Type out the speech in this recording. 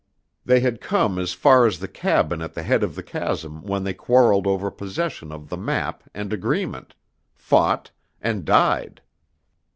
They had come as far as the cabin at the head of the chasm when they quarreled over possession of the map and agreement, fought, and died.